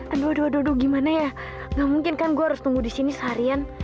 aduh aduh gimana ya gak mungkin kan gue harus tunggu di sini seharian